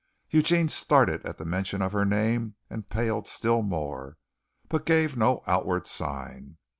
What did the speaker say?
Eugene started at the mention of her name and paled still more, but gave no other outward sign.